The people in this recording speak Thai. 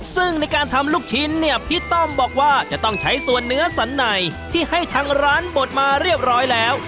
ซึ่งในการทำลูกชิ้นเนี่ยพี่ต้อมบอกว่าจะต้องใช้ส่วนเนื้อสันในที่ให้ทางร้านบดมาเรียบร้อยแล้ว